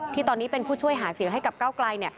ที่ตอนนี้เป็นผู้ช่วยหาเสียงให้กับก้าวไกล